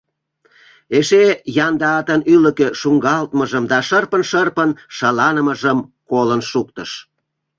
Эше янда атын ӱлыкӧ шуҥгалтмыжым да шырпын-шырпын шаланымыжым колын шуктыш.